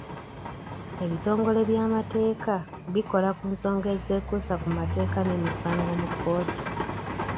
Ebitongole by'amateeka bikola ku nsonga ezeekuusa ku mateeka n'emisango mu kkooti.